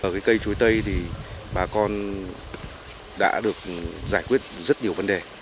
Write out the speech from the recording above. ở cái cây chuối tây thì bà con đã được giải quyết rất nhiều vấn đề